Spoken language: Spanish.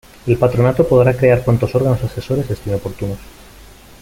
El Patronato podrá crear cuantos órganos asesores estime oportunos.